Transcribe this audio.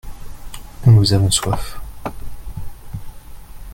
nous avons soif.